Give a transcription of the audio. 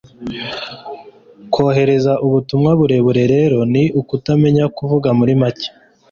kohereza ubutumwa burebure rero ni ukutamenya kuvuga muri make